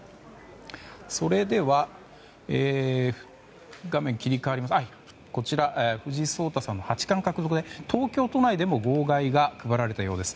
それでは、藤井聡太さんの八冠獲得で東京都内でも号外が配られたようです。